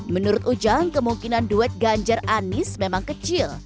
menurut ujang kemungkinan duet ganjar anis memang kecil